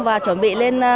và chuẩn bị đến đây